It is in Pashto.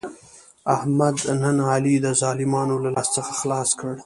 احمد نن علي د ظالمانو له لاس څخه خلاص کړ.